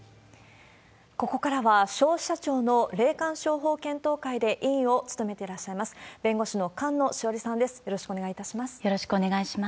ここからは、消費者庁の霊感商法検討会で委員を務めていらっしゃいます、弁護士の菅野志桜利さんです。